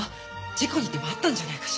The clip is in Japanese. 事故にでも遭ったんじゃないかしら？